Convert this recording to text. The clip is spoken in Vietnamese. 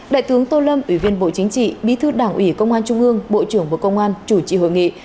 đại tướng tô lâm ủy viên bộ chính trị bí thư đảng ủy công an trung ương bộ trưởng bộ công an chủ trì hội nghị